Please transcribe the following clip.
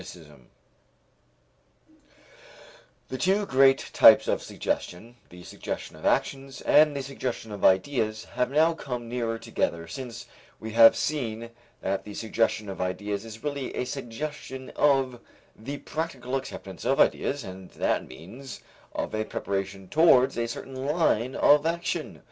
The two great types of suggestion, the suggestion of actions and the suggestion of ideas, have now come nearer together since we have seen that the suggestion of ideas is really a suggestion of the practical acceptance of ideas, and that means, of a preparation towards a certain line of action.